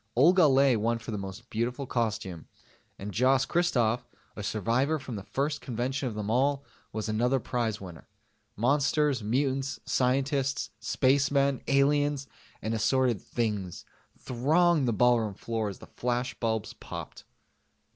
Olga Ley won for the Most Beautiful costume, and Jos Christoff a survivor from the first convention of them all was another prize winner. Monsters, mutants, scientists, spacemen, aliens, and assorted "Things" thronged the ballroom floor as the flashbulbs popped.